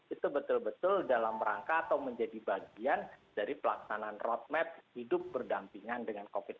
itu betul betul dalam rangka atau menjadi bagian dari pelaksanaan roadmap hidup berdampingan dengan covid sembilan belas